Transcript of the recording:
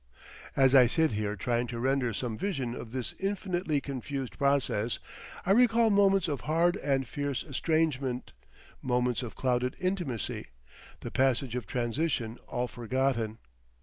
As I sit here trying to render some vision of this infinitely confused process, I recall moments of hard and fierce estrangement, moments of clouded intimacy, the passage of transition all forgotten.